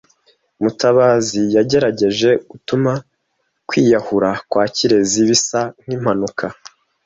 Mutabazi yagerageje gutuma kwiyahura kwa Kirezi bisa nkimpanuka.